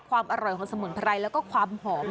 ความอร่อยของสมุนไพรแล้วก็ความหอม